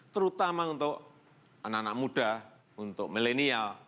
terutama untuk anak anak muda untuk milenial